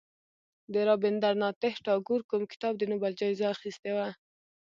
د رابندر ناته ټاګور کوم کتاب د نوبل جایزه اخیستې وه.